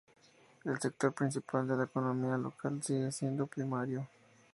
El sector principal de la economía local sigue siendo el primario.